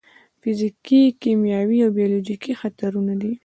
فزیکي، کیمیاوي او بیولوژیکي خطرونه دي.